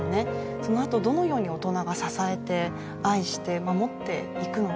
そのあとどのように大人が支えて愛して守っていくのか